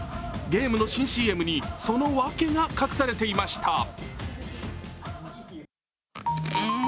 ゲームの新ＣＭにその訳が隠されていました。